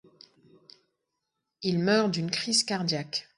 Il meurt d'une crise cardiaque.